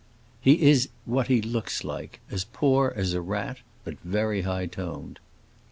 "He is what he looks like: as poor as a rat, but very high toned."